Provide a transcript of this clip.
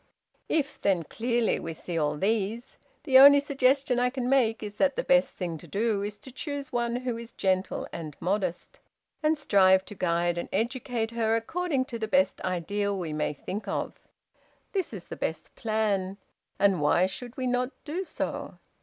"If, then, we clearly see all these, the only suggestion I can make is that the best thing to do is to choose one who is gentle and modest, and strive to guide and educate her according to the best ideal we may think of. This is the best plan; and why should we not do so?